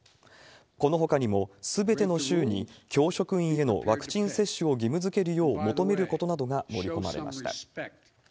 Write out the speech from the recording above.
このほかにも、すべての州に教職員へのワクチン接種を義務づけるよう求めることなどが盛り込まれました。